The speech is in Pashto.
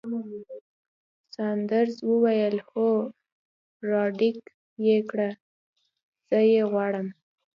ساندرز وویل: هو، راډک یې کړه، زه یې غواړم.